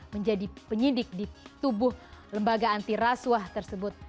menjadi penyidik di tubuh lembaga anti rasuah tersebut